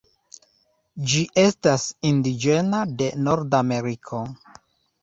Ĝi estas indiĝena de Nordameriko.